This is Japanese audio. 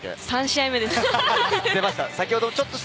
３試合目です。